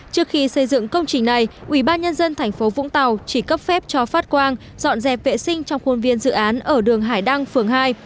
trước khi xây dựng công trình này ubnd tp vũng tàu chỉ cấp phép cho phát quang dọn dẹp vệ sinh trong khuôn viên dự án ở đường hải đăng phường hai